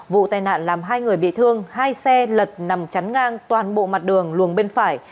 vụ tai nạn làm hai người bị thương hai xe lật nằm chắn ngang toàn bộ mặt đường luồng bên phải